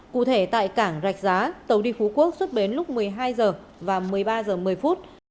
cụ thể tại cảng rạch giá tàu đi phú quốc xuất bến lúc một mươi hai h và một mươi ba h một mươi